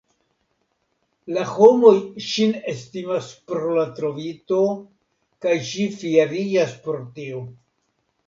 La homoj ŝin estimas pro la trovito, kaj ŝi fieriĝas pro tio.